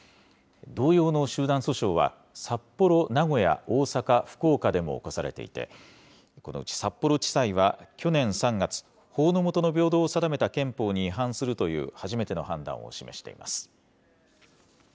同様の集団訴訟は、札幌、名古屋、大阪、福岡でも起こされていて、このうち札幌地裁は、去年３月、法の下の平等を定めた憲法のに違反するという初めての判断を示しています。